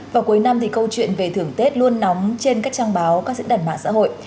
vào cuối năm thì câu chuyện về thưởng tết luôn nóng trên các trang báo các diễn đàn mạng xã hội